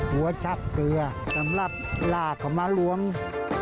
บัวชักเกลือสำหรับราดของมะลวง